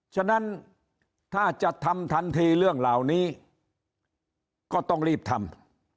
ฉะนั้นถ้าจะทำทันทีเรื่องเหล่านี้ก็ต้องรีบทำ